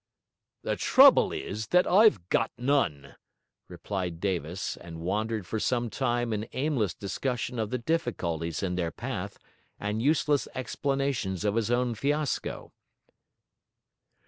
'The trouble is that I've got none,' replied Davis; and wandered for some time in aimless discussion of the difficulties in their path, and useless explanations of his own fiasco.